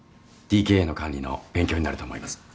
ＤＫＡの管理の勉強になると思います。